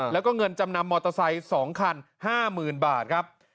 แล้วก็เงินจำนำมอเตอร์ไซค์๒คัน๕๐๐๐บาทครับ